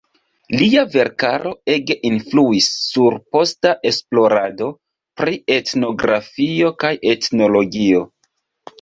Lia verkaro ege influis sur posta esplorado pri etnografio kaj etnologio.